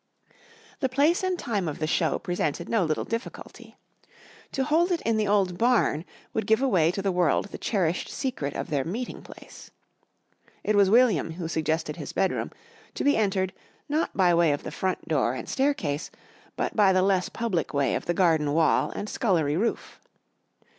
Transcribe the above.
The place and time of the "show" presented no little difficulty. To hold it in the old barn would give away to the world the cherished secret of their meeting place. It was William who suggested his bedroom, to be entered, not by way of the front door and staircase, but by the less public way of the garden wall and scullery roof.